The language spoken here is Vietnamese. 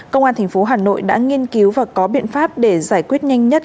công an tp hà nội đã nghiên cứu và có biện pháp để giải quyết nhanh nhất